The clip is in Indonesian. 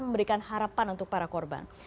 memberikan harapan untuk para korban